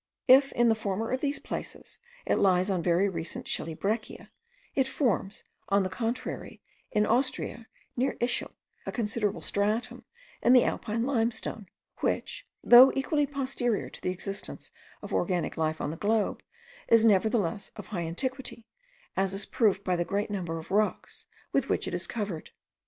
If in the former of these places it lies on very recent shelly breccia, it forms, on the contrary, in Austria near Ischel, a considerable stratum in the Alpine limestone, which, though equally posterior to the existence of organic life on the globe, is nevertheless of high antiquity, as is proved by the great number of rocks with which it is covered.